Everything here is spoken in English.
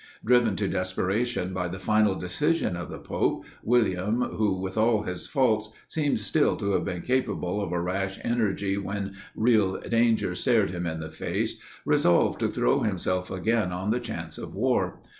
Driven to desperation by the final decision of the pope, William, who, with all his faults, seems still to have been capable of a rash energy when real danger stared him in the face, resolved to throw himself again on the chance of war.